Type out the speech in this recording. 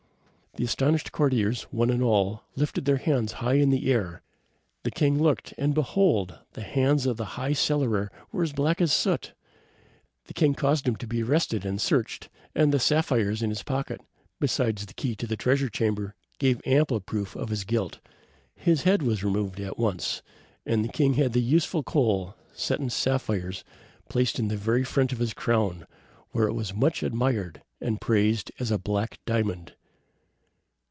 The astonished courtiers, one and all, lifted their hands high in air. The king looked, and, behold! the hands of the High Cellarer were as black as soot! The king caused him to be arrested and searched, and the sapphires in his pocket, besides the key of the treasure chamber, gave ample proof of his guilt. His head was removed at once, and the king had the useful coal, set in sapphires, placed in the very front of his crown, where it was much admired and praised as a BLACK DIAMOND.